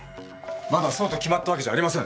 まだそうと決まったわけじゃありません！